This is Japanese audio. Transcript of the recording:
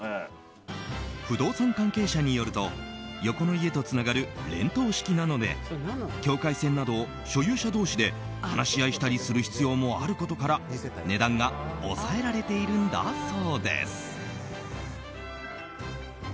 不動産関係者によると横の家とつながる連棟式なので境界線などを所有者同士で話し合いしたりする必要もあることから値段が抑えられているんだそうです。